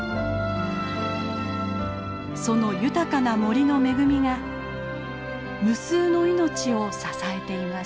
その豊かな森の恵みが無数の命を支えています。